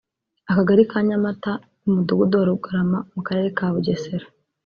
akagari ka Nyamata umudugudu wa Rugarama mu karere ka Bugesera